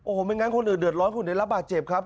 โอ้โหไม่งั้นคนอื่นเดือดร้อนคนอื่นได้รับบาดเจ็บครับ